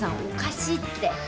おかしいって。